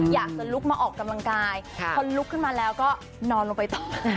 อยากจะลุกมาออกกำลังกายพอลุกขึ้นมาแล้วก็นอนลงไปต่อ